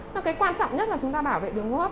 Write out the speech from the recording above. và cái quan trọng nhất là chúng ta bảo vệ đường hô hấp